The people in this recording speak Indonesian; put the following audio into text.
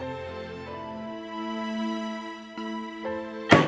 kami harus minta dana itu